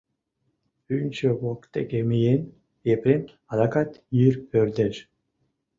Пӱнчӧ воктеке миен, Епрем адакат йыр пӧрдеш.